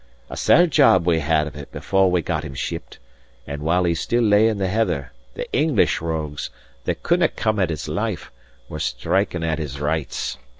A sair job we had of it before we got him shipped; and while he still lay in the heather, the English rogues, that couldnae come at his life, were striking at his rights.